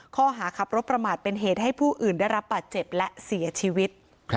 ข้อหาขับรถประมาทเป็นเหตุให้ผู้อื่นได้รับบาดเจ็บและเสียชีวิต